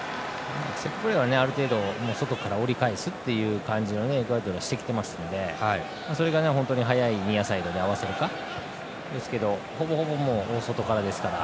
セットプレーはある程度、外から折り返すという感じをエクアドルはしてきていますのでそれが速いニアサイドで合わせるかですけどほぼほぼ大外からですから。